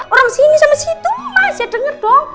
orang sini sama situ mas ya denger dong